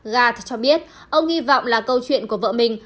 garth cho biết ông nghi vọng là câu chuyện của vợ mình